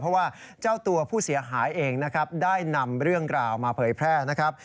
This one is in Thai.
เพราะว่าเจ้าตัวผู้เสียหายเองนะครับได้นำเรื่องราวมาเผยแพร่นะครับ